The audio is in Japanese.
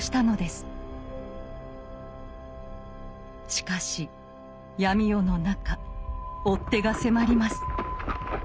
しかし闇夜の中追っ手が迫ります。